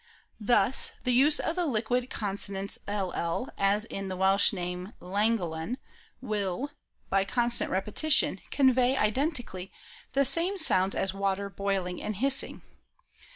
Thus the use of the liquid consonants 11, as in the Welsh name Llangollen, will, by constant repetition, convey iden tically the same sounds as water boiling and hissing.